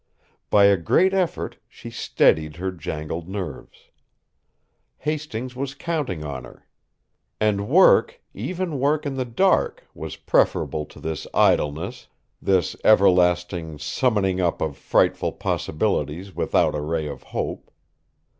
By a great effort, she steadied her jangled nerves. Hastings was counting on her. And work even work in the dark was preferable to this idleness, this everlasting summing up of frightful possibilities without a ray of hope.